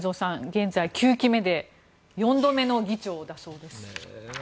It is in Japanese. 現在、９期目で４度目の議長だそうです。